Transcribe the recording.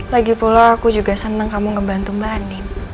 lagipula aku juga seneng kamu ngebantu mbak andin